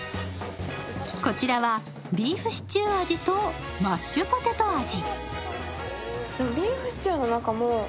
こちらはビーフシチュー味とマッシュポテト味。